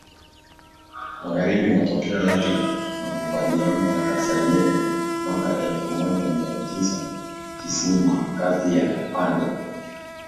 Magharibi Matokeo yake makubaliano yakasainiwa mwaka elfu moja mia tisa tisini kati ya pande